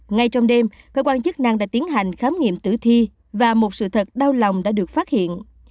ngay trong đêm cơ quan chức năng đã tiến hành khám nghiệm tử thi và một sự thật đau lòng đã được phát hiện